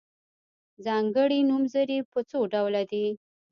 ځانګړي نومځري په څو ډوله دي.